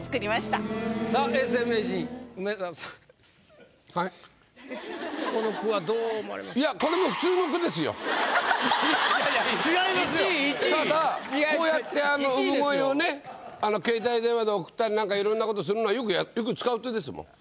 ただこうやって産声をね携帯電話で送ったり何かいろんなことするのはよく使う手ですもん。